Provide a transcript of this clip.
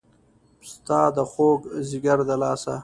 ستا د خوږ ځیګر د لاسه